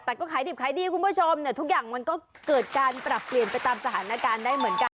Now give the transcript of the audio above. แต่ก็ขายดิบขายดีคุณผู้ชมเนี่ยทุกอย่างมันก็เกิดการปรับเปลี่ยนไปตามสถานการณ์ได้เหมือนกัน